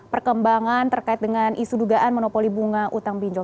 perkembangan terkait dengan isu dugaan monopoli bunga utang pinjol